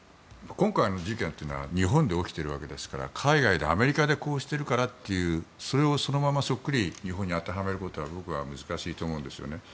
今回の事件というのは日本で起きてるわけですから海外でアメリカでこうしてるからというそれをそっくりそのまま日本に当てはめることは僕は難しいと思うんですよね。